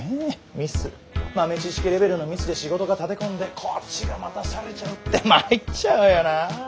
ミス豆知識レベルのミスで仕事が立て込んでこっちが待たされちゃうって参っちゃうよな。